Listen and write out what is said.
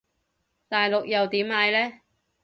大陸又點嗌呢？